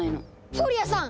フォリアさん！